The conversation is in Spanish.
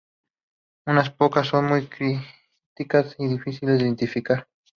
Unas pocas son muy crípticas y difíciles de identificar.